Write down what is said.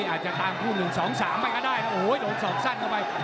อาจจะทางคู่๑๒๓ไม่ก็ได้โอ้โหหลงสองสั้นเข้าไป